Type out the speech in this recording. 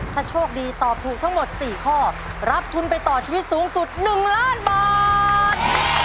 ถ้าโชคดีตอบถูกทั้งหมด๔ข้อรับทุนไปต่อชีวิตสูงสุด๑ล้านบาท